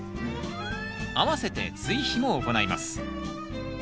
あわせて追肥も行います。